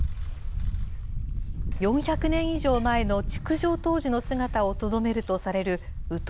４００年以上前の築城当時の姿をとどめるとされる宇土櫓。